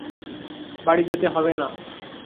বাড়ি যেতে হবে না।